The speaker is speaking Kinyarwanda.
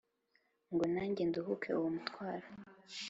ngo nanjye nduhuke uwo mutwaro